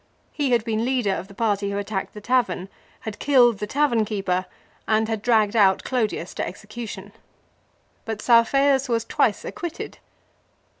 He had been leader of the party who attacked the tavern, had killed the tavern keeper, and had dragged out Clodius to execution. But Saufeius was twice acquitted.